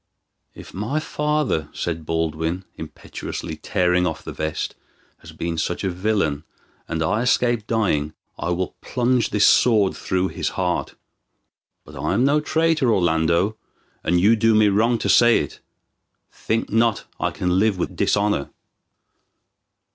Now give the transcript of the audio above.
"If my father," said Baldwin, impetuously tearing off the vest, "has been such a villain, and I escape dying, I will plunge this sword through his heart. But I am no traitor, Orlando, and you do me wrong to say it. Think not I can live with dishonor."